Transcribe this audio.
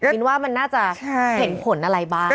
มินว่ามันน่าจะเห็นผลอะไรบ้าง